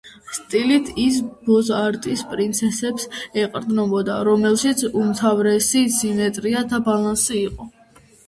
სტილით ის ბოზ-არტის პრინციპებს ეყრდნობოდა, რომელშიც უმთავრესი სიმეტრია და ბალანსი იყო.